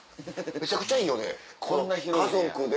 めちゃくちゃいいよね家族で。